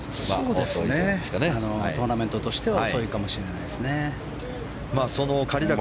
トーナメントとしては遅いかもしれないですね。